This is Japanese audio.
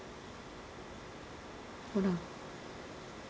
ほら。